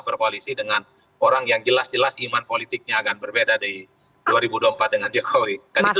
berkoalisi dengan orang yang jelas jelas iman politiknya akan berbeda di dua ribu dua puluh empat dengan jokowi